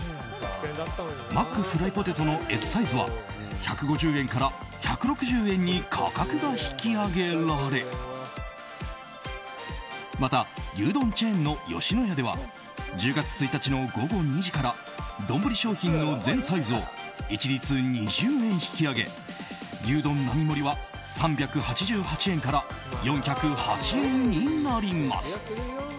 マックフライポテトのＳサイズは１５０円から１６０円に価格が引き上げられまた、牛丼チェーンの吉野家では１０月１日の午後２時から丼商品の全サイズを一律２０円引き上げ牛丼並盛は３８８円から４０８円になります。